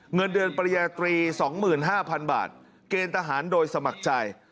เงินเดือนปริญญาตรี๒๕๐๐๐บาทเกณฑ์ทหารโดยสมัครใจ